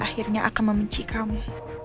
akhirnya akan membenci kamu